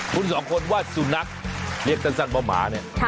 คุณสองคนว่าสุนัขเรียกสั้นว่าหมาเนี่ย